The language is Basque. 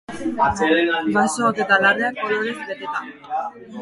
Basoak eta larreak kolorez beteta.